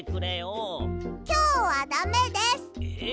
きょうはダメです。え！